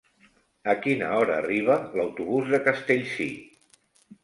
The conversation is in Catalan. A quina hora arriba l'autobús de Castellcir?